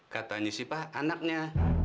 katanya sih pak anaknya